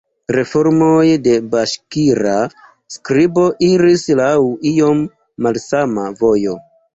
Reformoj de baŝkira skribo iris laŭ iom malsama vojo.